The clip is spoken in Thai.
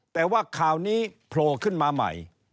แต่ว่าข่าวนี้โผล่ขึ้นมาใหม่